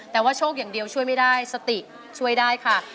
แต่ว่าโชคอย่างเดียวช่วยไม่ได้สติช่วยได้ค่ะ